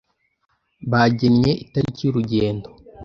Bagennye itariki y'urugendo.